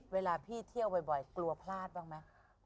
เวลาพี่เที่ยวบ่อยกลัวพลาดบ้างไหม